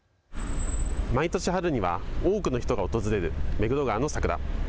毎年春には多くの人が訪れる目黒川の桜。